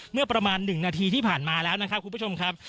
เมื่อประมาณ๑นาทีที่ผ่านมาแล้วนะครับคุณผู้ชมครับ